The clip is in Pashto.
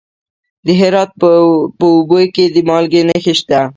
د هرات په اوبې کې د مالګې نښې شته.